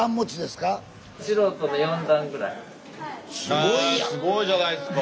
へえすごいじゃないすか。